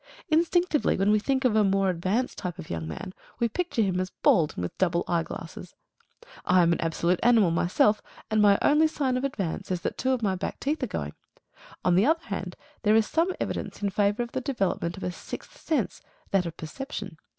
Instinctively, when we think of the more advanced type of young man, we picture him as bald, and with double eye glasses. I am an absolute animal myself, and my only sign of advance is that two of my back teeth are going. On the other hand, there is some evidence in favour of the development of a sixth sense that of perception.